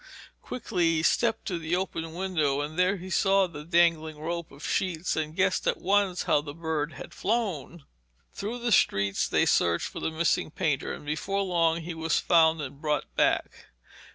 Quickly he stepped to the open window, and there he saw the dangling rope of sheets, and guessed at once how the bird had flown. Through the streets they searched for the missing painter, and before long he was found and brought back.